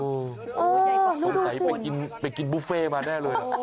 โอ้โฮนุ่นสุดคุณใส่ไปกินบุฟเฟ่มาได้เลย